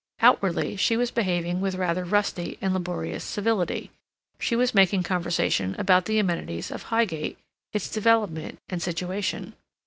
Outwardly, she was behaving with rather rusty and laborious civility. She was making conversation about the amenities of Highgate, its development and situation.